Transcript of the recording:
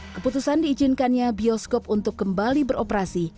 keputusan diizinkannya bioskop untuk kembali beroperasi